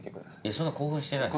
そんな興奮してないです。